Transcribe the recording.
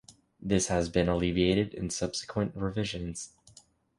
This has been alleviated in subsequent revisions.